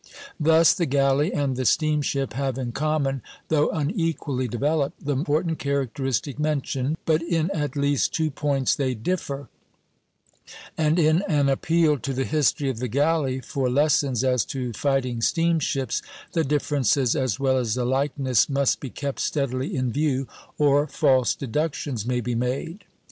Thus the galley and the steamship have in common, though unequally developed, the important characteristic mentioned, but in at least two points they differ; and in an appeal to the history of the galley for lessons as to fighting steamships, the differences as well as the likeness must be kept steadily in view, or false deductions may be made.